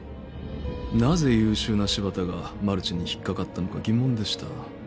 なぜ優秀な柴田がマルチに引っ掛かったのか疑問でした。